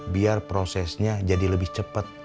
biar prosesnya jadi lebih cepat